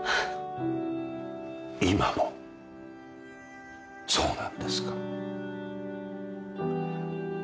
今もそうなんですか？